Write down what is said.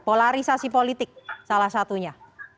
polarisasi politik salah satunya